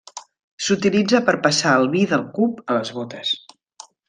S'utilitza per passar el vi del cup a les bótes.